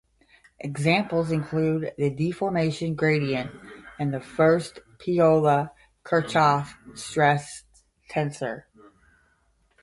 Examples include the deformation gradient and the first Piola-Kirchhoff stress tensor.